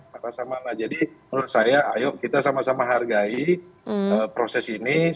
pak rasamala jadi menurut saya ayo kita sama sama hargai proses ini saya berharap dengan anda dan saya berharap dengan anda